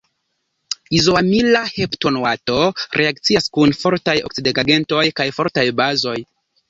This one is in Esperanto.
Izoamila heptanoato reakcias kun fortaj oksidigagentoj kaj fortaj bazoj.